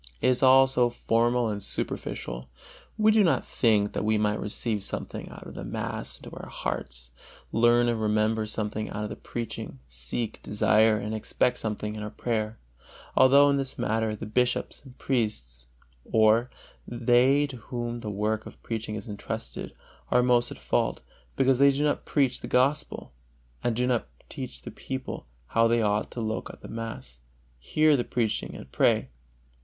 It is all so formal and superficial! We do not think that we might receive something out of the mass into our hearts, learn and remember something out of the preaching, seek, desire and expect something in our prayer. Although in this matter the bishops and priests, or they to whom the work of preaching is entrusted, are most at fault, because they do not preach the Gospel, and do not teach the people how they ought to look on at mass, hear preaching and pray.